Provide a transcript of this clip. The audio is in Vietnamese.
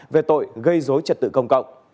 về tội gây rối trật tự công cộng